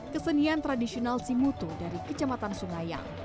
kesenian tradisional simuto dari kecamatan sungayang